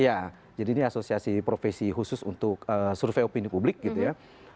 ya jadi ini asosiasi profesi khusus untuk survei opini publik gitu ya